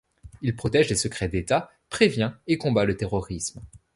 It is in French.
Il protège les secrets d’État, prévient et combat le terrorisme.